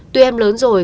tuy em lớn rồi